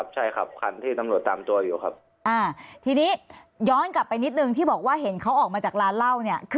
ใช่ครับคันที่ตำรวจตามตัวอยู่ครับ